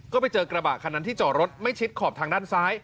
ก็ไปเจอกระบะคันนั้นที่จอดรถไม่ชิดขอบทางด้านซ้าย